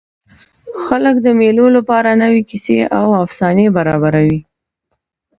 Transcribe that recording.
خلک د مېلو له پاره نوي کیسې او افسانې برابروي.